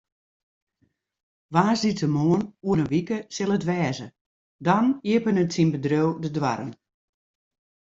Woansdeitemoarn oer in wike sil it wêze, dan iepenet syn bedriuw de doarren.